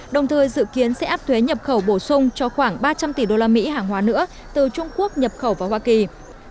đồng thời dự kiến sẽ áp thuế nhập khẩu bổ sung cho khoảng ba trăm linh tỷ usd hàng hóa nữa từ trung quốc nhập khẩu vào hoa kỳ